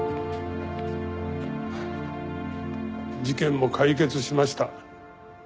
事件も解決しました。